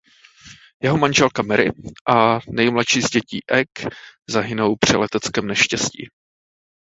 Jeho manželka Mary a nejmladší z dětí Egg zahynou při leteckém neštěstí.